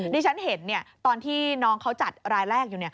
ที่ฉันเห็นตอนที่น้องเขาจัดรายแรกอยู่